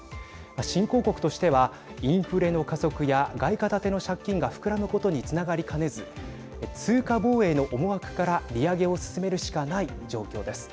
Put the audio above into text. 新興国としてはインフレの加速や外貨建ての借金が膨らむことにつながりかねず通貨防衛の思惑から利上げを進めるしかない状況です。